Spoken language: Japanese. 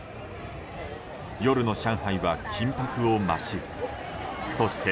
夜の上海は緊迫を増しそして。